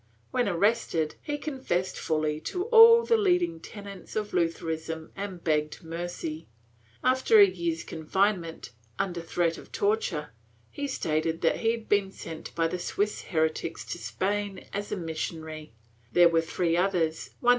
When arrested, he con fessed fully to all the leading tenets of Lutheranism and begged mercy; after a year's confinement, under threat of torture, he stated that he had been sent by the Swiss heretics to Spain as a missionary; there were three others, one named Beltran, who was ' Archive de Simancas, Inq.